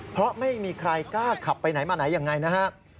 เพราะไม่มีใครกล้าขับไปไหนมาไหนยังไงนะครับ